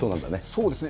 そうですね。